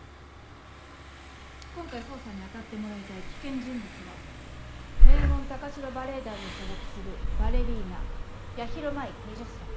今回捜査に当たってもらいたい危険人物は名門高城バレエ団に所属するバレリーナ八尋舞２０歳。